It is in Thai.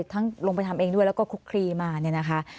ทั้งลงประธรรมเองด้วยแล้วก็คุกคลีมาเนี่ยนะคะ